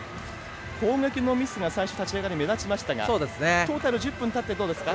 攻撃のミスが最初、立ち上がり目立ちましたがトータル１０分たってどうですか？